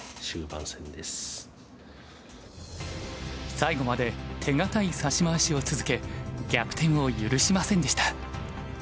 最後まで手堅い指し回しを続け逆転を許しませんでした。